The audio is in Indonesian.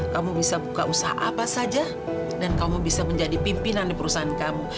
kamu bisa buka usaha apa saja dan kamu bisa menjadi pimpinan di perusahaan kamu